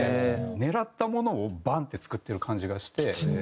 狙ったものをバンッて作ってる感じがして。